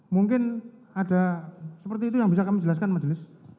mungkin ada seperti itu yang bisa kami jelaskan majelis